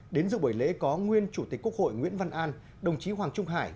đến dự buổi lễ có nguyên chủ tịch quốc hội nguyễn văn an đồng chí hoàng trung hải